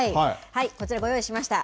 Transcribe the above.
こちらご用意しました。